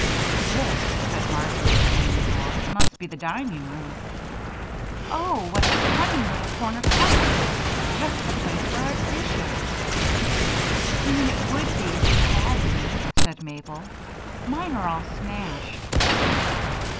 "This," said Marjory, opening a door, "must be the dining room. Oh! What a cunning little corner cupboard just the place for our dishes." "You mean it would be if we had any," said Mabel. "Mine are all smashed."